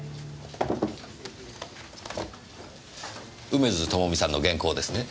梅津朋美さんの原稿ですね。